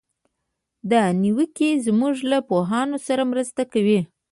دا نیوکې زموږ له پوهانو سره مرسته کوي.